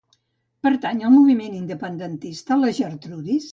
Pertany al moviment independentista la Gertrudis?